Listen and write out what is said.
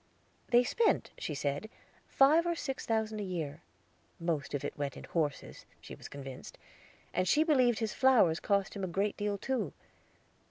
They spent, she said, five or six thousand a year; most of it went in horses, she was convinced, and she believed his flowers cost him a great deal too.